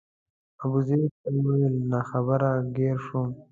ابوزید ته وویل ناخبره ګیر شوم.